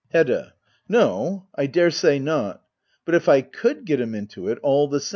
Hedda. No, I daresay not. — But if I could get him into it all the same